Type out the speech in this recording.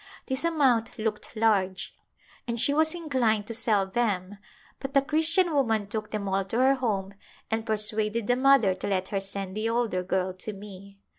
This amount looked large and she was inclined to sell them but the Christian woman took them all to her home and persuaded the mother to let her send the older girl to me.